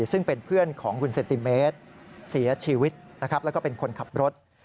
ซึ่งเป็นเพื่อนของคุณเซนติเมตรเสียชีวิตนะครับแล้วก็เป็นคนขับรถ